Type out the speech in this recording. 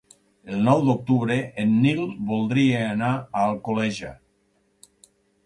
El nou d'octubre en Nil voldria anar a Alcoleja.